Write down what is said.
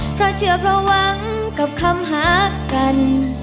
เพราะเชื่อเพราะหวังกับคำหากัน